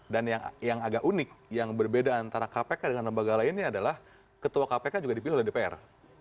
dan yang agak unik yang berbeda antara kpk dengan lembaga lainnya adalah ketua kpk juga dipilih oleh dpr